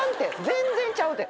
全然ちゃうて。